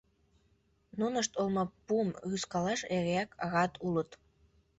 Нунышт олмапум рӱзкалаш эреак рат улыт.